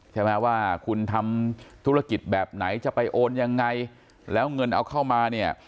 ใช่ไหมว่าคุณทำธุรกิจแบบไหนจะไปโอนยังไงแล้วเงินเอาเข้ามาเนี่ย